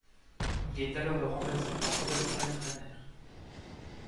Il est alors remplacé par Sebastian Frehner.